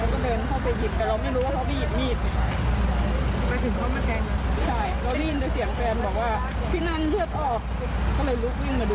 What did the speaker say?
ก็เลยลุกวิ่งมาดู